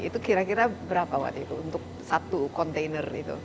itu kira kira berapa waktu itu untuk satu kontainer itu